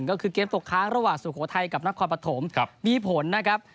ก็คือเกมตกค้างระหว่างสุโขทัยกับนครปฐมมีผลนะครับ